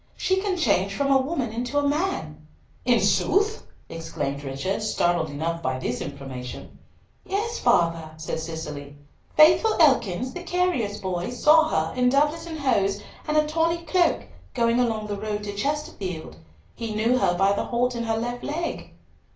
"She can change from a woman to a man!" "In sooth!" exclaimed Richard, startled enough by this information. "Yea, father," said Cicely, "Faithful Ekins, the carrier's boy, saw her, in doublet and hose, and a tawny cloak, going along the road to Chesterfield. He knew her by the halt in her left leg."